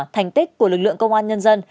thành tích của lực lượng công an nhân dân